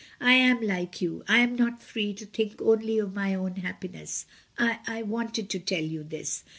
I am like you, I am not free, to think only of my own happiness. I — I wanted to tell you this.